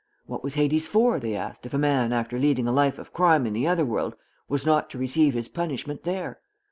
What was Hades for, they asked, if a man, after leading a life of crime in the other world, was not to receive his punishment there?